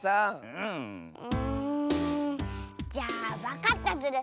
うんじゃあわかったズル。